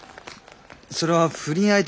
それは不倫相手を。